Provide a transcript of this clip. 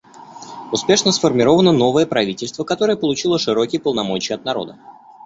Успешно сформировано новое правительство, которое получило широкие полномочия от народа.